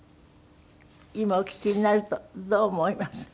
今お聞きになるとどう思います？